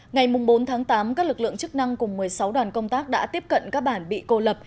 ngày bốn tháng tám các lực lượng chức năng cùng một mươi sáu đoàn công tác đã tiếp cận các bản bị cô lập